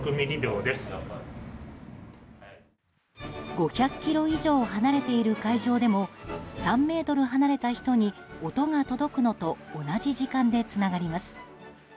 ５００ｋｍ以上離れている会場でも３ｍ離れた人に音が届くのと同じ時間でつながります。